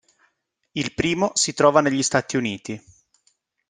Il primo si trova negli Stati Uniti.